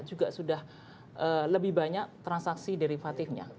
juga sudah lebih banyak transaksi derivatifnya